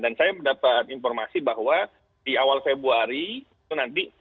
dan saya mendapat informasi bahwa di awal februari itu nanti